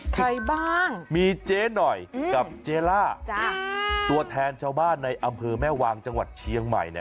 ใครบ้างมีเจ๊หน่อยกับเจล่าตัวแทนชาวบ้านในอำเภอแม่วางจังหวัดเชียงใหม่เนี่ย